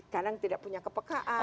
kadang tidak punya kepekaan